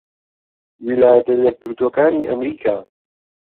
ویلایەتە یەکگرتووەکانی ئەمریکا